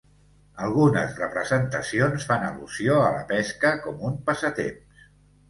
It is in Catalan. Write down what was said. Algunes representacions fan al·lusió a la pesca com un passatemps.